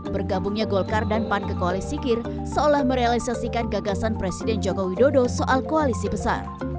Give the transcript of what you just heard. bergabungnya golkar dan pan kekualisikir seolah merealisasikan gagasan presiden jokowi dodo soal koalisi besar